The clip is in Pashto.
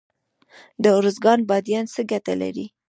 د ارزګان بادیان څه ګټه لري؟